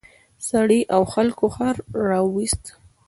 سړي او خلکو خر راوویست.